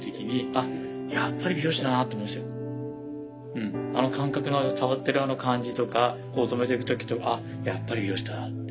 うんあの感覚の触ってるあの感じとかこう留めていく時やっぱり美容師だなって。